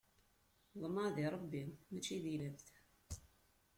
Ḍmeɛ di Ṛebbi, mačči di lɛebd!